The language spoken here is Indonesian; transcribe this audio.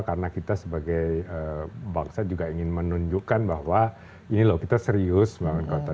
karena kita sebagai bangsa juga ingin menunjukkan bahwa ini loh kita serius membangun kota